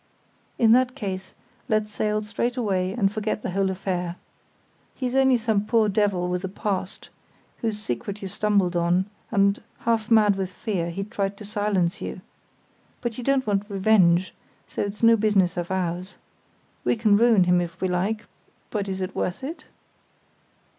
"In that case let's sail straight away and forget the whole affair. He's only some poor devil with a past, whose secret you stumbled on, and, half mad with fear, he tried to silence you. But you don't want revenge, so it's no business of ours. We can ruin him if we like; but is it worth it?"